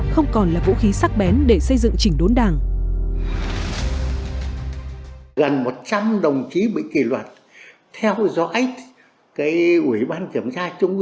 không còn là vũ khí sắc bén để xây dựng chỉnh đốn đảng